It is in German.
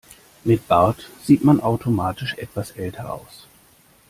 Mit Bart sieht man automatisch etwas älter aus.